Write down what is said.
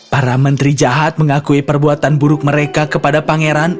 para menteri jahat mengakui perbuatan buruk mereka kepada pangeran